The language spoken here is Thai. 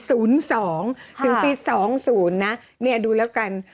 ถึงปี๒๐นะเนี่ยดูแล้วกัน